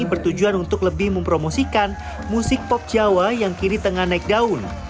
bertujuan untuk lebih mempromosikan musik pop jawa yang kini tengah naik daun